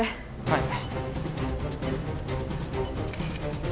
はい。